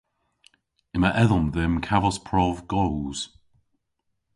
Yma edhom dhymm kavos prov goos.